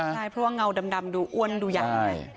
ใช่เพราะว่าเงาดำดูอ้วนดูใหญ่